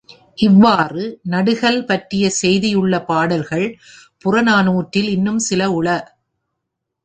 இவ்வாறு நடுகல் பற்றிய செய்தி உள்ள பாடல்கள் புறநானூற்றில் இன்னும் சில உள.